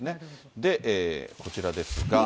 で、こちらですが。